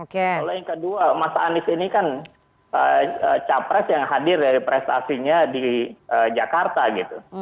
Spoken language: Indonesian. kalau yang kedua mas anies ini kan capres yang hadir dari prestasinya di jakarta gitu